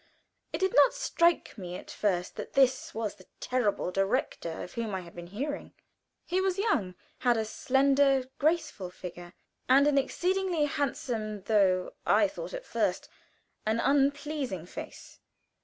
It did not strike me at first that this was the terrible direktor of whom I had been hearing. He was young, had a slender, graceful figure, and an exceedingly handsome, though (I thought at first) an unpleasing face.